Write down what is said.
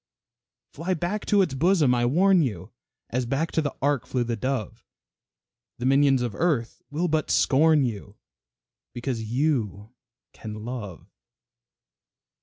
Fly back to its bosom, I warn you As back to the ark flew the dove The minions of earth will but scorn you, Because you can love.